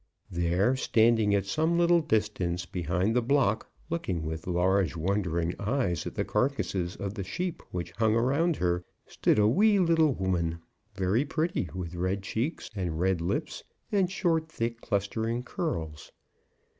There, standing at some little distance behind the block, looking with large, wondering eyes at the carcases of the sheep which hung around her, stood a wee little woman, very pretty, with red cheeks, and red lips, and short, thick, clustering curls.